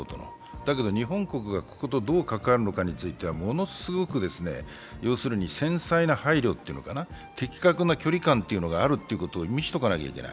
だけど日本国がこことどう関わるかについては、ものすごく繊細な配慮というのかな、的確な距離感があるというのを見せておかなければいけない。